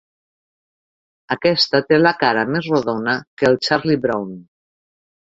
Aquesta té la cara més rodona que el Charlie Brown.